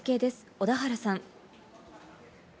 小田原さん。